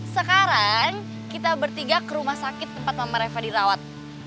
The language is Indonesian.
sekarang kita bertiga ke rumah sakit tempat reva dirawat